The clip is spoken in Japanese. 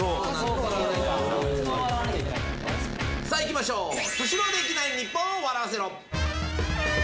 さあいきましょう。